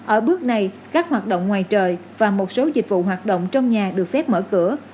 ở bước này các hoạt động ngoài trời và một số dịch vụ hoạt động trong nhà được phép mở cửa